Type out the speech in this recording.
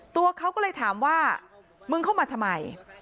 ตัวเขาก็เลยถามว่ามึงเข้ามาทำไม